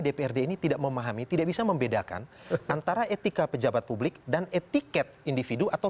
dprd ini tidak memahami tidak bisa membedakan antara etika pejabat publik dan etiket individu atau